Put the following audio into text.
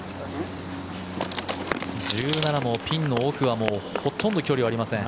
１７もピンの奥はほとんど距離はありません。